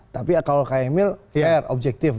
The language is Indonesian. tapi kalau kang emil fair objektif